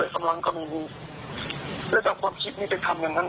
ฟังดีครับที่ไม่ฟังตัวหน้าฝั่ง